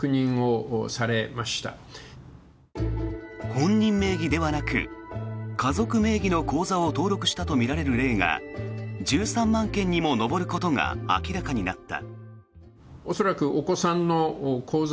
本人名義ではなく家族名義の口座を登録したとみられる例が１３万件にも上ることが明らかになった。